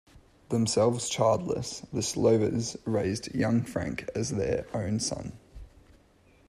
Themselves childless, the Slovers raised young Frank as their own son.